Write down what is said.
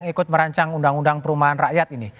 ikut merancang undang undang perumahan rakyat ini